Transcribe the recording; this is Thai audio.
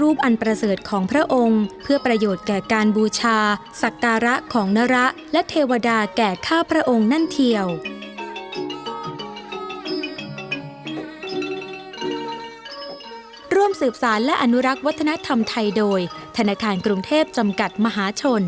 ร่วมสืบสารและอนุรักษ์วัฒนธรรมไทยโดยธนาคารกรุงเทพฯจำกัดมหาชน